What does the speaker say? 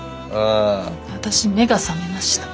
私目が覚めました。